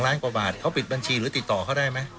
ล้านกว่าบาทเขาปิดบัญชีหรือติดต่อเขาได้ไหม